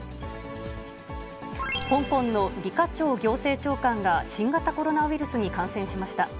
香港の李家超行政長官が、新型コロナウイルスに感染しました。